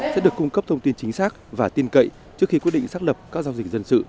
sẽ được cung cấp thông tin chính xác và tin cậy trước khi quyết định xác lập các giao dịch dân sự